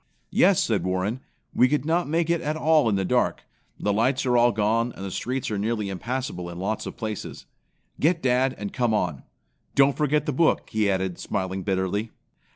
"Yes," said Warren, "we could not make it at all in the dark. The lights are all gone, and the streets are nearly impassable in lots of places. Get dad, and come on. Don't forget the book," he added, smiling bitterly.